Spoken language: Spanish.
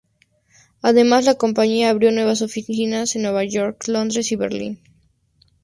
Además, la compañía abrió nuevas oficinas en Nueva York, Londres y Berlín.